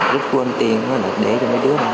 rất quên tiền để cho mấy đứa nói sợ